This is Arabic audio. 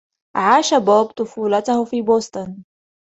عاش بوب طفولته في بوسطن.